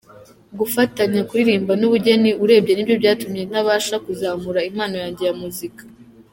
Gufatanya kuririmba n’ubugeni urebye nibyo byatumye ntabasha kuzamura impano yanjye ya muzika.